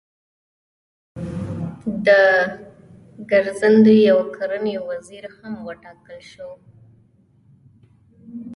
د ګرځندوی او کرنې وزیر هم وټاکل شول.